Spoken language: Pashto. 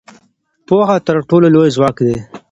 پوهه تر ټولو لوی ځواک دی.